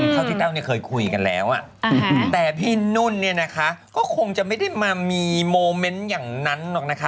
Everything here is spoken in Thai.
เท่าที่แต้วเนี่ยเคยคุยกันแล้วแต่พี่นุ่นเนี่ยนะคะก็คงจะไม่ได้มามีโมเมนต์อย่างนั้นหรอกนะคะ